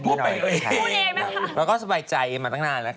พูดเองไหมค่ะแล้วก็สบายใจมาตั้งนานแล้วค่ะ